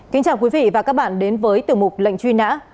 kính chào quý vị và các bạn đến với tiểu mục lệnh truy nã